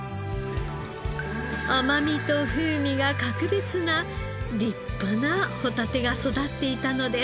甘みと風味が格別な立派なホタテが育っていたのです。